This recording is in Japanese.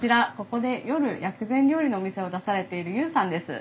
ここで夜薬膳料理のお店を出されている悠さんです。